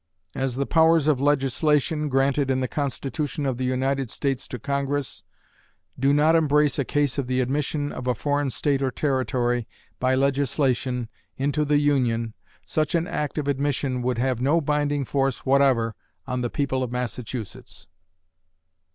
As the powers of legislation, granted in the Constitution of the United States to Congress, do not embrace a case of the admission of a foreign State or Territory, by legislation, into the Union, such an act of admission would have no binding force whatever on the people of Massachusetts.